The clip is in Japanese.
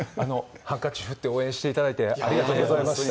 ハンカチ振って応援していただいてありがとうございました。